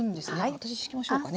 私しきましょうかね。